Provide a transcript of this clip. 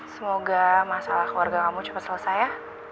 semoga masalah keluarga kamu cepat selesai ya